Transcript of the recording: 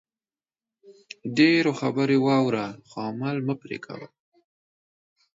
ډېرو خبرې واوره خو عمل مه پرې کوئ